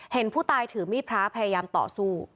เห็นผู้ตายถือมีดพระพยายามต่อสู้